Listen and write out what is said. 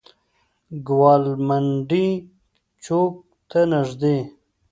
ګوالمنډۍ چوک ته نزدې.